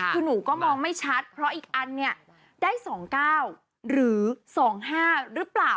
คือหนูก็มองไม่ชัดเพราะอีกอันเนี่ยได้๒๙หรือ๒๕หรือเปล่า